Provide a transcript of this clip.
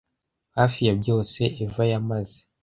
hafi ya byose eva yamaze